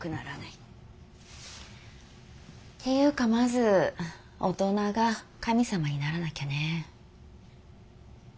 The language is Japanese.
っていうかまず大人が神様にならなきゃね。